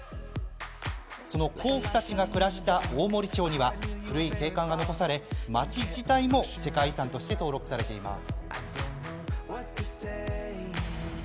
その坑夫たちが暮らした大森町には、古い景観が残され町自体も世界遺産として登録されています。